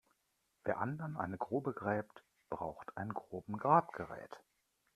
Wer anderen eine Grube gräbt, braucht ein Grubengrabgerät.